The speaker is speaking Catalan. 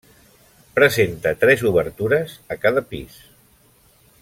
Presenta tres obertures a cada pis.